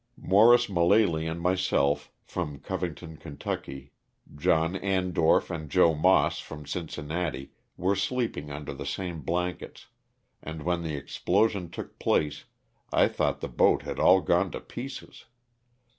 Morris Malaley and myself, from Covington, Ky., John Andorf and Joe Moss, from Cincinnati, were sleeping under the same blankets, and when the explosion took place I thought the boat had all gone to pieces.